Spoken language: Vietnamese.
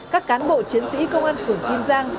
các cán bộ chiến sĩ công an phường kim giang